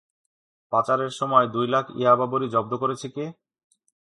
পাচারের সময় দুই লাখ ইয়াবা বড়ি জব্দ করেছে কে?